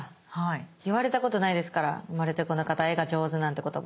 言われたことないですから生まれてこの方絵が上手なんて言葉。